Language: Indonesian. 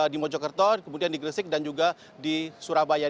di mojokerto kemudian di gresik dan juga di surabaya